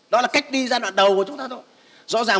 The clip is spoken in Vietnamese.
đó là cách đi giai đoạn đầu của chúng ta thôi